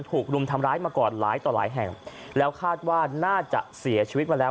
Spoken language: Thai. รุมทำร้ายมาก่อนหลายต่อหลายแห่งแล้วคาดว่าน่าจะเสียชีวิตมาแล้ว